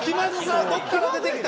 どっから出てきたの？